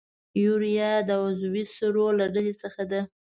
یوریا د عضوي سرو له ډلې څخه ده.